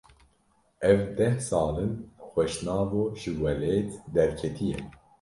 Ev deh sal in Xweşnavo ji welêt derketiye.